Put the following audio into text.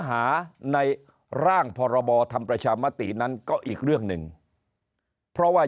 หาในร่างพรบทำประชามตินั้นก็อีกเรื่องหนึ่งเพราะว่า